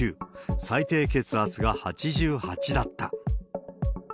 最低血圧が８８だった。